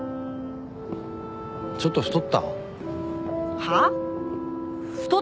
ちょっと太った？はっ？